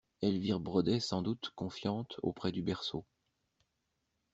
Elvire brodait, sans doute, confiante, auprès du berceau.